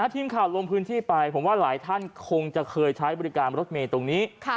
ทีมข่าวลงพื้นที่ไปผมว่าหลายท่านคงจะเคยใช้บริการรถเมย์ตรงนี้